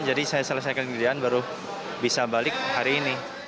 jadi saya selesaikan kerjaan baru bisa balik hari ini